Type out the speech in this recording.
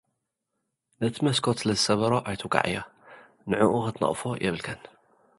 ነቲ መስኮት ስለዝሰበሮ ኣይትውቅዓዮ። ንዕኡ ኽትነቕፎ የብልካን።